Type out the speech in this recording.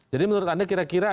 jadi menurut anda kira kira